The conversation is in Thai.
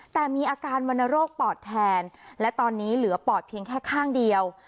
แต่มีอาการวรรณโรคปอดแทนและตอนนี้เหลือปอดเพียงแค่ข้างเดียว